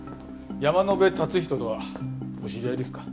山野辺達仁とはお知り合いですか？